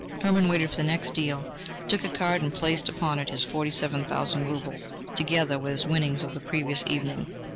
Hermann waited for the next deal, took a card and placed upon it his forty seven thousand roubles, together with his winnings of the previous evening.